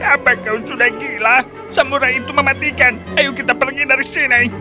apa kau sudah gila samurai itu mematikan ayo kita pergi dari sini